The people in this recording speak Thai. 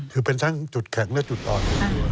คือเป็นทั้งจุดแข็งและจุดอ่อน